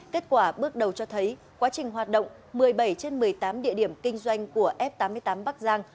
kết quả bước đầu cho thấy quá trình hoạt động một mươi bảy trên một mươi tám địa điểm kinh doanh của f tám mươi tám bắc giang